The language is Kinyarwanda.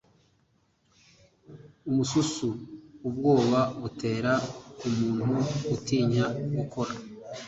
umususu ubwoba butera umuntu gutinya gukora